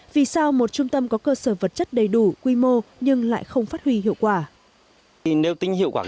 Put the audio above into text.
vì sao một trung tâm có cơ sở vật chất đầy đủ quy mô nhưng lại không phát huy hiệu quả